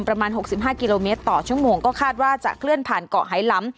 ประมาณ๖๕กิโลเมตรต่อชั่วโมงก็คาดว่าจะเคลื่อนผ่านเกาะไฮล้ำ